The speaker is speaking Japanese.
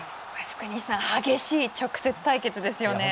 福西さん激しい直接対決ですよね。